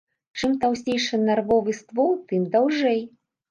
Чым таўсцейшы нервовы ствол, тым даўжэй.